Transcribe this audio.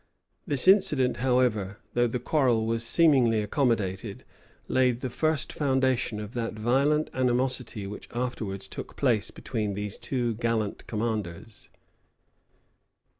[*] This incident, however, though the quarrel was seemingly accommodated, laid the first foundation of that violent animosity which afterwards took place between these two gallant commanders.